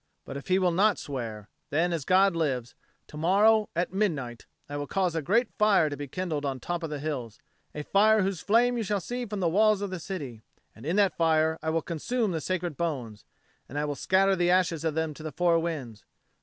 But if he will not swear, then, as God lives, to morrow, at midnight, I will cause a great fire to be kindled on the top of the hills a fire whose flame you shall see from the walls of the city and in that fire will I consume the sacred bones, and I will scatter the ashes of them to the four winds.